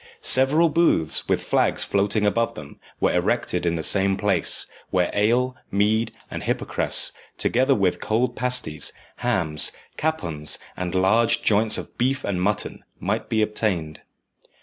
Several booths, with flags floating above them, were erected in the same place, where ale, mead, and hypocras, together with cold pasties, hams, capons, and large joints of beef and mutton, might be obtained.